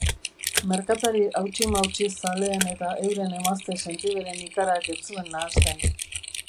Merkatari hautsi-mautsi zaleen eta euren emazte sentiberen ikarak ez zuen nahasten.